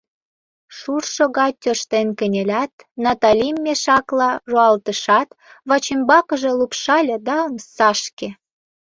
Шуршо гай тӧрштен кынелят, Наталим мешакла руалтышат, вачӱмбакыже лупшале да — омсашке.